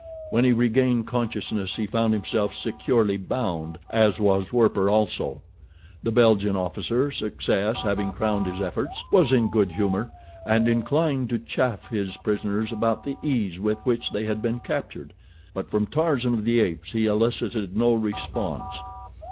When he regained consciousness he found himself securely bound, as was Werper also. The Belgian officer, success having crowned his efforts, was in good humor, and inclined to chaff his prisoners about the ease with which they had been captured; but from Tarzan of the Apes he elicited no response.